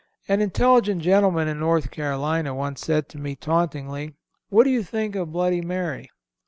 (324) An intelligent gentleman in North Carolina once said to me tauntingly, What do you think of bloody Mary?